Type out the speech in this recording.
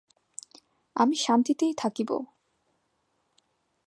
আমি শান্তিতেই থাকিব।